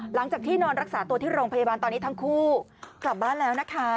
หลังจากที่นอนรักษาตัวที่โรงพยาบาลตอนนี้ทั้งคู่กลับบ้านแล้วนะคะ